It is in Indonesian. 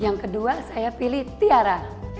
yang kedua saya pilih tiara